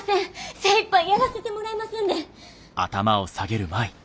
精いっぱいやらせてもらいますんで。